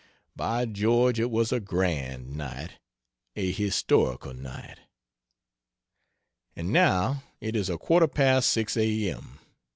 By George, it was a grand night, a historical night. And now it is a quarter past 6 A.M.